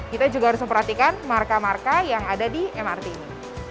kita juga harus memperhatikan marka marka yang ada di mrt ini